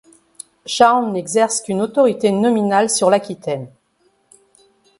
Charles n'exerce qu'une autorité nominale sur l'Aquitaine.